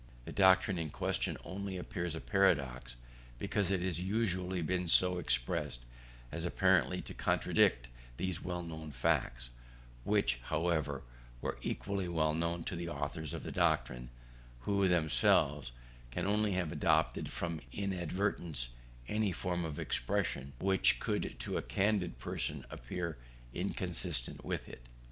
The doctrine in question only appears a paradox, because it has usually been so expressed as apparently to contradict these well known facts; which, however, were equally well known to the authors of the doctrine, who, therefore, can only have adopted from inadvertence any form of expression which could to a candid person appear inconsistent with it.